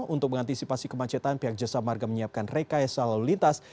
untuk mengantisipasi kemacetan pihak jasa marga menyiapkan rekayasa lalu lintas